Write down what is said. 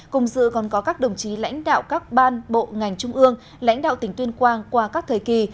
cùng dự còn có các đồng chí lãnh đạo các ban bộ ngành trung ương lãnh đạo tỉnh tuyên quang qua các thời kỳ